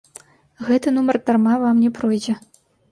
Гэты нумар дарма вам не пройдзе.